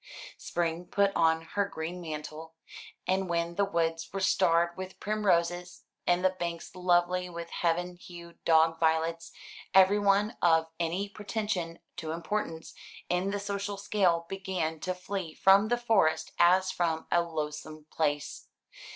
Spring put on her green mantle; and when the woods were starred with primroses, and the banks lovely with heaven hued dog violets, everyone of any pretension to importance in the social scale began to flee from the Forest as from a loathsome place.